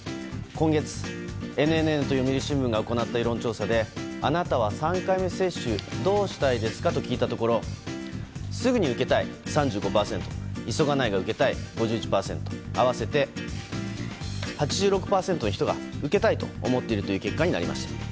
今月、ＮＮＮと読売新聞が行った世論調査であなたは３回目接種どうしたいですか？と聞いたところすぐに受けたい、３５％急がないが受けたい、５１％合わせて８６％の人が受けたいと思っているという結果になりました。